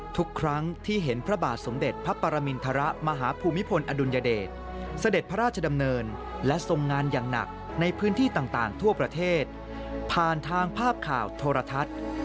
ทุกครั้งที่เห็นพระบาทสมเด็จพระปรมินทรมาฮภูมิพลอดุลยเดชเสด็จพระราชดำเนินและทรงงานอย่างหนักในพื้นที่ต่างทั่วประเทศผ่านทางภาพข่าวโทรทัศน์